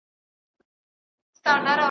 که څه هم دا پاکي نه دي پـــــــــــه انسان کي